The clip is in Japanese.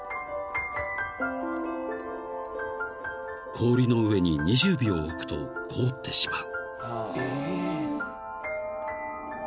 ［氷の上に２０秒置くと凍ってしまう］